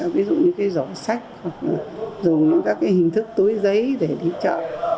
ví dụ như cái giỏ sách hoặc là dùng các hình thức túi giấy để đi chợ